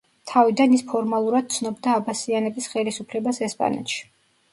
თავიდან ის ფორმალურად ცნობდა აბასიანების ხელისუფლებას ესპანეთში.